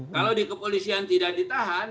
kalau di kepolisian tidak ditahan